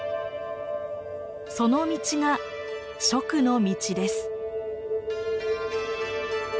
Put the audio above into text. その道が「蜀の道」です。